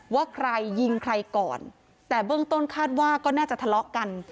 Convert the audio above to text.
ว่าใครยิงใครก่อนแต่เบื้องต้นคาดว่าก็น่าจะทะเลาะกัน